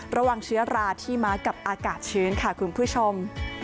ระวังเชื้อราที่มากับอากาศชื้นค่ะคุณผู้ชม